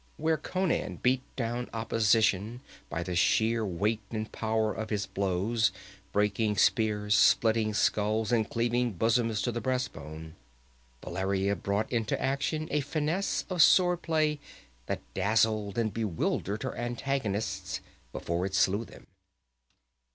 Where Conan beat down opposition by the sheer weight and power of his blows, breaking spears, splitting skulls and cleaving bosoms to the breast bone, Valeria brought into action a finesse of sword play that dazzled and bewildered her antagonists before it slew them.